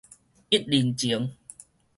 一鄰前